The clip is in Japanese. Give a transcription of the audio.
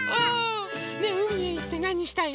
ねえうみへいってなにしたい？